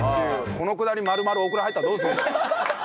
このくだり丸々お蔵入ったらどうするんだよ！